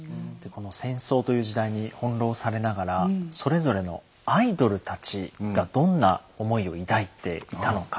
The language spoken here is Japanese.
この戦争という時代に翻弄されながらそれぞれのアイドルたちがどんな思いを抱いていたのか。